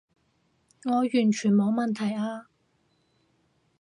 我完全冇問題啊